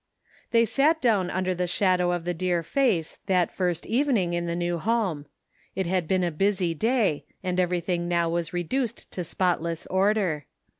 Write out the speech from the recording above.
They sat down under the shadow of the dear face that first evening in the new home. It had been a busy day, and everything now was The Sum Total. 13 reduced to spotless order.